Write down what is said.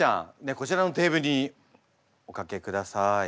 こちらのテーブルにお掛けください。